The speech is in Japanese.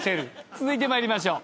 続いて参りましょう。